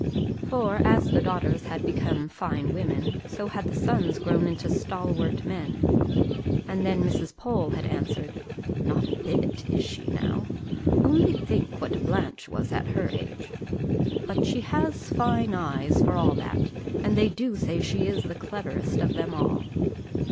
for as the daughters had become fine women, so had the sons grown into stalwart men. And then Mrs. Pole had answered: "Not a bit; is she, now? Only think what Blanche was at her age. But she has fine eyes, for all that; and they do say she is the cleverest of them all."